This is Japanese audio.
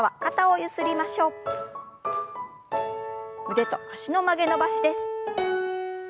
腕と脚の曲げ伸ばしです。